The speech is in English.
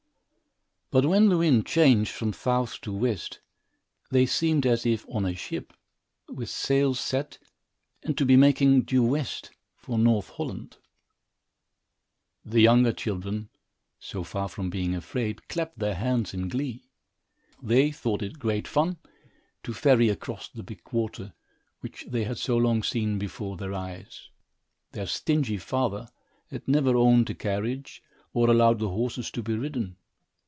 But when the wind changed from south to west, they seemed as if on a ship, with sails set, and to be making due west, for North Holland. The younger children, so far from being afraid, clapped their hands in glee. They thought it great fun to ferry across the big water, which they had so long seen before their eyes. Their stingy father had never owned a carriage, or allowed the horses to be ridden.